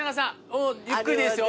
もうゆっくりでいいですよ。